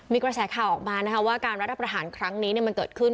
มีกระแสข่าวออกมานะคะว่าการรัฐประหารครั้งนี้มันเกิดขึ้น